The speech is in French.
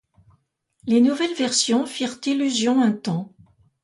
Les nouvelles versions firent illusion un temps.